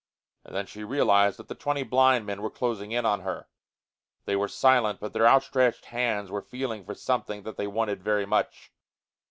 And then she realized that the twenty blind men were closing in on her. They were silent, but their outstretched hands were feeling for something that they wanted very much.